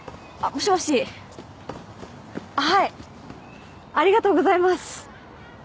もしもしはいありがとうございます！